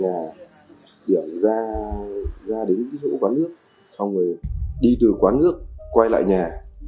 trong buổi sáng hôm đấy là điểm đi từ nhà điểm ra đến chỗ quán nước xong rồi đi từ quán nước quay lại nhà